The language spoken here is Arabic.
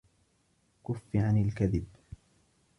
كفِّ عن الكذب.